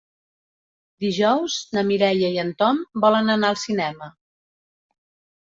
Dijous na Mireia i en Tom volen anar al cinema.